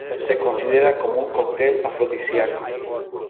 Se considera como un cóctel afrodisíaco.